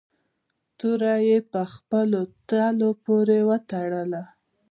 توره یې په خپلو تلو پورې و تړله.